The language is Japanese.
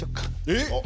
えっ！